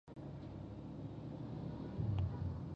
د احمد مور خپل پوډري زوی ښیرأ کاوه.